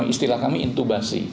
istilah kami intubasi